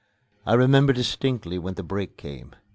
I remember distinctly when the break came.